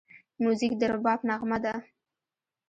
موزیک د رباب نغمه ده.